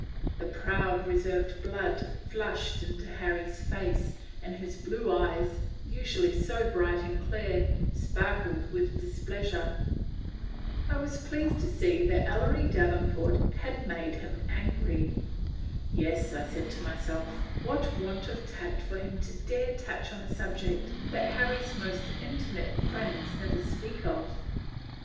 The proud, reserved blood flushed into Harry's face, and his blue eyes, usually so bright and clear, sparkled with displeasure. I was pleased to see that Ellery Davenport had made him angry. Yes, I said to myself, "What want of tact for him to dare to touch on a subject that Harry's most intimate friends never speak of!"